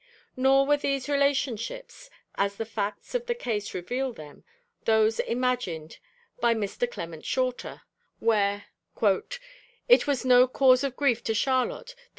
Nor were these relationships, as the facts of the case reveal them, those imagined by Mr. Clement Shorter; where '_it was no cause of grief to Charlotte that M.